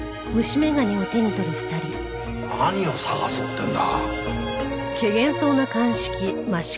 何を捜そうってんだ？